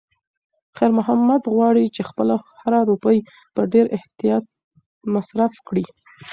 خیر محمد غواړي چې خپله هره روپۍ په ډېر احتیاط مصرف کړي.